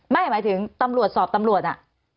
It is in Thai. หมายถึงตำรวจสอบตำรวจน่ะ